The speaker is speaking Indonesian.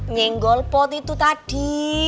nyinggol pot itu tadi